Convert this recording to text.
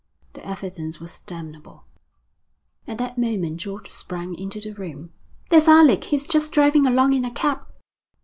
'The evidence was damnable.' At that moment George sprang into the room. 'There's Alec. He's just driving along in a cab.'